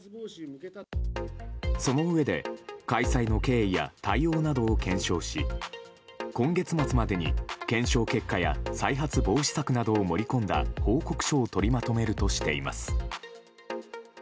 そのうえで開催の経緯や対応などを検証し今月末までに検証結果や再発防止策などを盛り込んだ報告書を取りまとめるとしています。